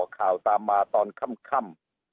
ข่าวตามมาตอนค่ำ